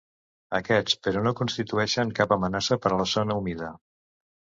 Aquests però no constitueixen cap amenaça per a la zona humida.